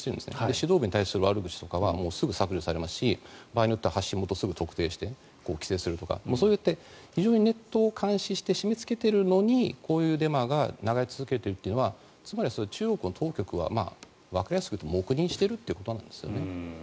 指導部に対する悪口とかはすぐに削除されますし場合によっては発信元をすぐに特定して規制するとかそういうようにネットを監視して締めつけているのにこういうデマが流れ続けているというのはつまり中国の当局はわかりやすくいうと黙認しているということなんですね。